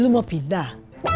lo mau pindah